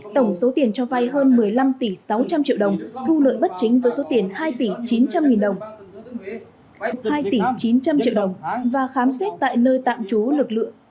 tổng số tiền cho vai hơn một mươi năm tỷ sáu trăm linh triệu đồng thu lợi bất chính với số tiền hai tỷ chín trăm linh triệu đồng và khám xét tại nơi tạm chú lực lượng